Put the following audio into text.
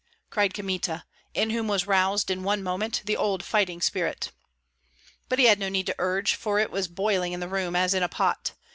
cried Kmita, in whom was roused, in one moment, the old fighting spirit. But he had no need to urge, for it was boiling in the room, as in a pot.